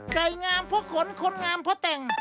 ไก่งามเพราะขนคนงามเพราะแต่ง